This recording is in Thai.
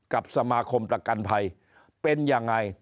กับสมาคมประกันภัยเป็นยังไง